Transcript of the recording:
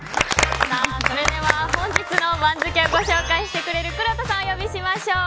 本日の番付をご紹介してくれるくろうとさんをお呼びしましょう。